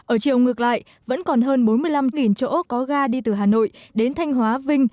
ở chiều ngược lại vẫn còn hơn bốn mươi năm chỗ có ga đi từ hà nội đến thanh hóa vinh